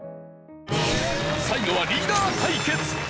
最後はリーダー対決。